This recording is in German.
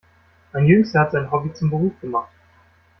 Mein Jüngster hat sein Hobby zum Beruf gemacht.